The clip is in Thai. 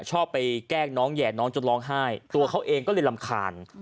ชอบไปแกล้งน้องแห่น้องจนร้องไห้ตัวเขาเองก็เลยรำคาญ